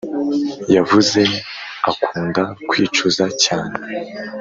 yavuze akunda kwicuza cyane